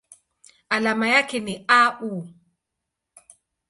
Alama yake ni Au.